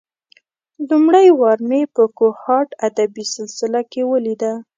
لومړۍ وار مې په کوهاټ ادبي سلسله کې ولېده.